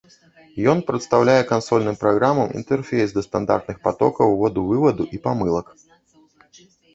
Ён прадстаўляе кансольным праграмам інтэрфейс да стандартных патокаў уводу, вываду і памылак.